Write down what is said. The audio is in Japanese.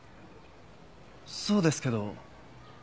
そうですけど。